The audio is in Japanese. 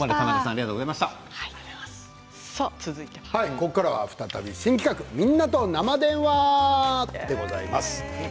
ここからは再び新企画「みんなと生電話」でございます。